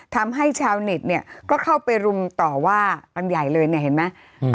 ทำให้ชาวเน็ตเนี่ยก็เข้าไปรุมต่อว่ากันใหญ่เลยเนี่ยเห็นไหม